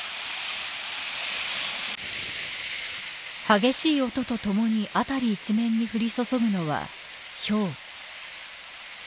激しい音とともに辺り一面に降り注ぐのはひょう。